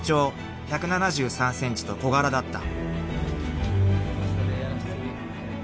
［身長１７３ｃｍと小柄だった］